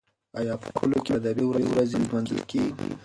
ایا په کلو کې هم ادبي ورځې لمانځل کیږي؟